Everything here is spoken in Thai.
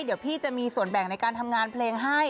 เดี๋ยวพี่จะมีส่วนแบ่งในการทำงานเพลงให้